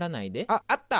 あっあった！